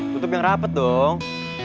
tutup yang rapet dong